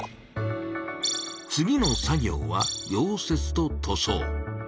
次の作業は「溶接」と「塗装」。